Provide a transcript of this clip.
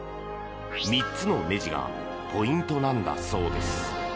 ３つのねじがポイントなんだそうです。